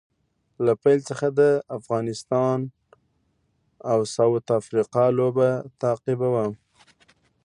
له پیل څخه د افغانستان او ساوت افریقا لوبه تعقیبوم